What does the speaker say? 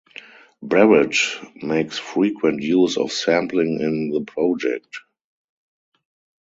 Barrett makes frequent use of sampling in the project.